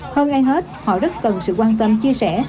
hơn ai hết họ rất cần sự quan tâm chia sẻ